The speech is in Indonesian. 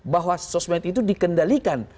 bahwa sosmed itu dikendalikan